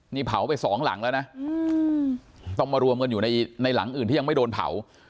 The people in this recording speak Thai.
นี่เผาไปสองหลังแล้วนะต้องมารวมกันอยู่ในหลังอื่นที่ยังไม่โดนเผา